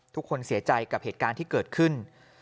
ทุกคนเสียใจกับเหตุการณ์ที่เกิดขึ้น